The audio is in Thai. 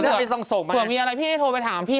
หรือว่ามีอะไรพี่ให้โทรไปถามพี่